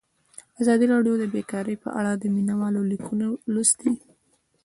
ازادي راډیو د بیکاري په اړه د مینه والو لیکونه لوستي.